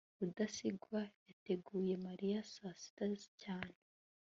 rudasingwa yateguye mariya saa sita cyane